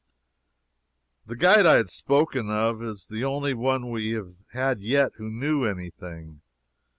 The guide I have spoken of is the only one we have had yet who knew any thing.